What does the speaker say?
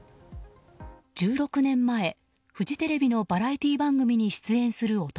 １６年前、フジテレビのバラエティー番組に出演する男。